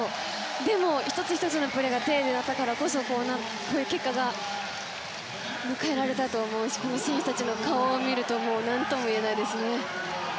でも、１つ１つのプレーが丁寧だったからこそこういう結果が迎えられたと思うしこの選手たちの顔を見ると何とも言えないですね。